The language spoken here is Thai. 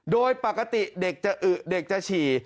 โดยปกติเด็กจะอึเด็กจะฉี่